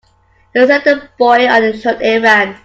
He sent the boy on a short errand.